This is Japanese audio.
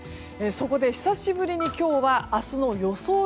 そこで久しぶりに今日は明日の予想